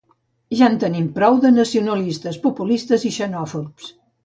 Ja en tenim prou de nacionalistes populistes i xenòfobs.